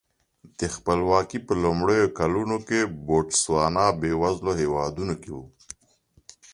د خپلواکۍ په لومړیو کلونو کې بوتسوانا بېوزلو هېوادونو کې و.